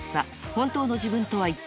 本当の自分とは一体？